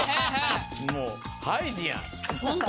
もうハイジやん！